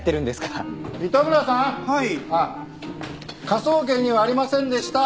科捜研にはありませんでした